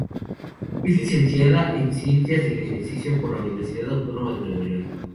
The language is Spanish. Es licenciada en Ciencias del Ejercicio por la Universidad Autónoma de Nuevo León.